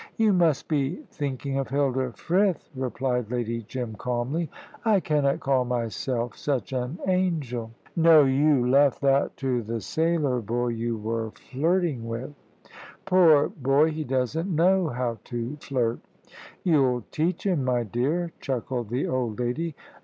"You must be thinking of Hilda Frith," replied Lady Jim, calmly. "I cannot call myself such an angel." "No; you left that to the sailor boy you were flirting with." "Poor boy, he doesn't know how to flirt." "You'll teach him, my dear," chuckled the old lady.